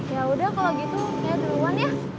yaudah kalau gitu ya duluan ya